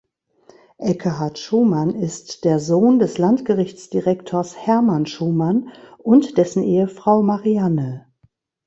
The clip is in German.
Ekkehard Schumann ist der Sohn des Landgerichtsdirektors Hermann Schumann und dessen Ehefrau Marianne.